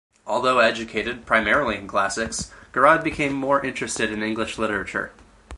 Although educated primarily in classics, Garrod became more interested in English literature.